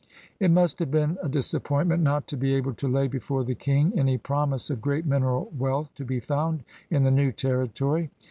It must have been a disappointment not to be able to lay before the King any promise of great mineral wealth to be found in the new territory.